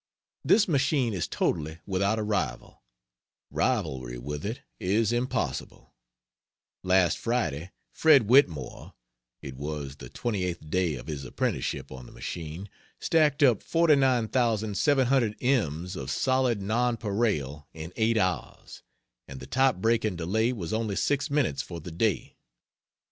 This machine is totally without a rival. Rivalry with it is impossible. Last Friday, Fred Whitmore (it was the 28th day of his apprenticeship on the machine) stacked up 49,700 ems of solid nonpareil in 8 hours, and the type breaking delay was only 6 minutes for the day.